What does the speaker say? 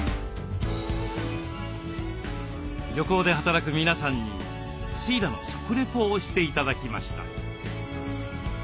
漁港で働く皆さんにシイラの食レポをして頂きました。